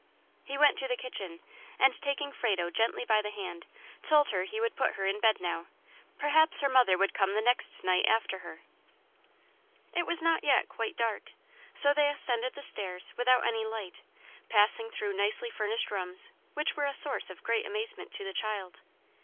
He went to the kitchen, and, taking Frado gently by the hand, told her he would put her in bed now; perhaps her mother would come the next night after her. It was not yet quite dark, so they ascended the stairs without any light, passing through nicely furnished rooms, which were a source of great amazement to the child.